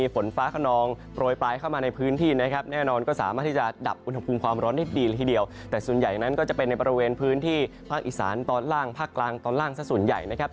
โปรดติดตามตอนต่อไป